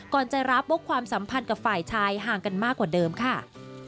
จะรับว่าความสัมพันธ์กับฝ่ายชายห่างกันมากกว่าเดิมค่ะ